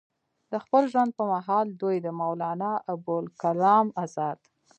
د خپل ژوند پۀ محال دوي د مولانا ابوالکلام ازاد